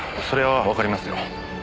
それはわかりますよ。